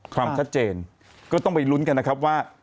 ความชัดเจนก็ต้องไปลุ้นกันนะครับว่า